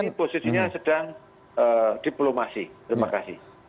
ini posisinya sedang diplomasi terima kasih